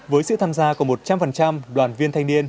với sự tham gia của một trăm linh đoàn viên thanh niên